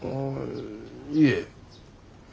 いえ。